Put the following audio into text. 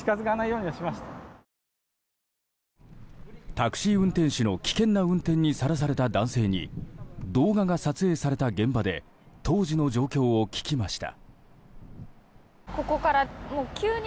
タクシー運転手の危険な運転にさらされた男性に動画が撮影された現場で当時の状況を聞きました。